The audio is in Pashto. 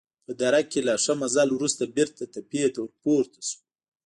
په دره کې له ښه مزل وروسته بېرته تپې ته ورپورته شوو.